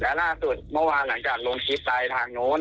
แล้วล่าสุดเมื่อวานหลังจากลงคลิปไปทางโน้น